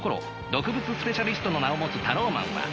毒物スペシャリストの名を持つタローマンは。